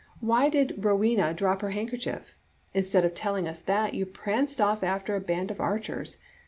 Why did Rowena drop her handkerchief? Instead of telling us that, you pranced off after a band of archers.